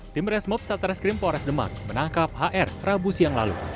tim resmob satreskrim polres demak menangkap hr rabu siang lalu